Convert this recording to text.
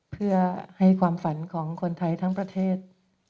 เพื่อให้ความฝันของคนไทยทั้งประเทศ